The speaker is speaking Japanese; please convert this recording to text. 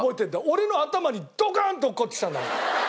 俺の頭にドカーンと落っこちてきたんだもん。